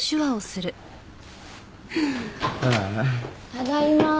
ただいま。